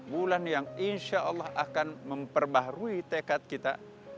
bulan yang insyaallah akan memperbaharui tekad kita